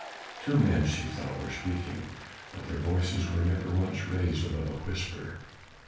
Two men, she thought, were speaking, but their voices were never once raised above a whisper.